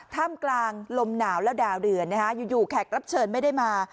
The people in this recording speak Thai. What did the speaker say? ถ้ามกลางลมหนาวแล้วดาวเดือนนะฮะอยู่อยู่แขกรับเชิญไม่ได้มา